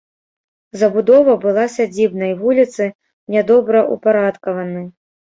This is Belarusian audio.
Забудова была сядзібнай, вуліцы нядобраўпарадкаваны.